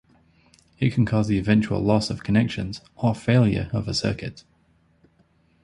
It can cause the eventual loss of connections or failure of a circuit.